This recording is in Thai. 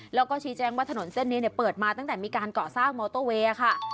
แล้วก็ชี้แจ้งว่าถนนเส้นนี้เปิดมาตั้งแต่มีการก่อสร้างมอเตอร์เวย์ค่ะ